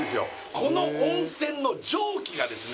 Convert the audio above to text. この温泉の蒸気がですね